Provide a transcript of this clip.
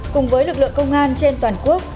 cùng với lực lượng công an trên toàn quốc